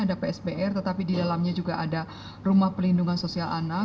ada psbr tetapi di dalamnya juga ada rumah pelindungan sosial anak